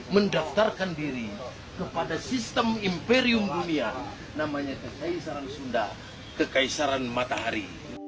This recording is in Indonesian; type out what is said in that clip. mendaftarkan diri kepada sistem imperium dunia namanya kekaisaran sunda kekaisaran matahari